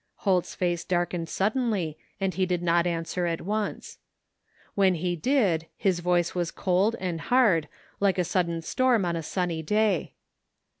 Holt's face darkened suddenly and he did not an swer at once. When he did his voice was cold and hard like a sudden storm on a sunny day.